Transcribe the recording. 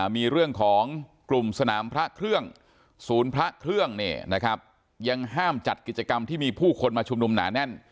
มีเรื่องของกลุ่มสนามพระเครื่องศูนย์พระเครื่องยังห้ามจัดกิจกรรมที่มีผู้คนมาชุมนุมหนาแน่น